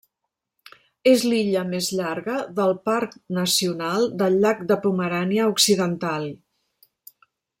És l'illa més llarga del Parc nacional del llac de Pomerània Occidental.